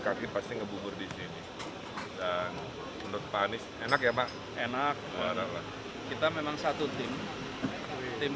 kaki pasti ngebubur di sini dan menurut pak anies enak ya pak enak marah kita memang satu tim tim